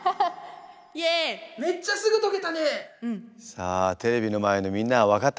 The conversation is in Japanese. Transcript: さあテレビの前のみんなは分かったかな？